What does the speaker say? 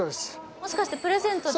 もしかしてプレゼントで？